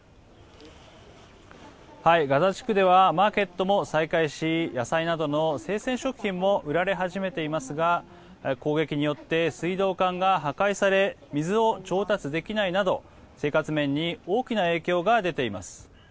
ガザ地区ではマーケットも再開し野菜などの生鮮食品も売られ始めていますが攻撃によって水道管が破壊され水を調達できないなど生活面に大きな影響が出ています。